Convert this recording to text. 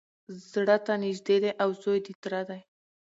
زړه ته نیژدې دی او زوی د تره دی